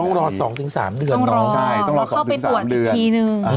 ต้องรอเพราะเข้าไปตรวจอีกทีนึง